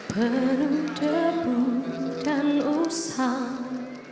penuh debu dan usah